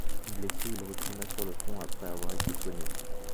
Blessé, il retourna sur le front après avoir été soigné.